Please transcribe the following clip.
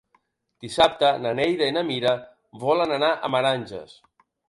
Dissabte na Neida i na Mira volen anar a Meranges.